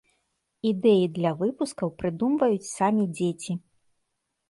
Ідэі для выпускаў прыдумваюць самі дзеці.